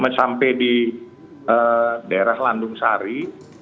sampai di daerah landung sari